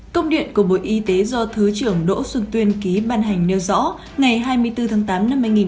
công điện của bộ y tế do thứ trưởng đỗ xuân tuyên ký ban hành nêu rõ ngày hai mươi bốn tháng tám năm hai nghìn hai mươi